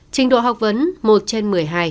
trình độ học vấn một trên một mươi hai